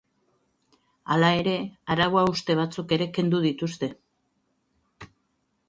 Hala ere, arau-hauste batzuk ere kendu dituzte.